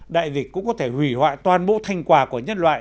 đại dịch cũng có thể hủy hoại toàn bộ thành quả của nhân loại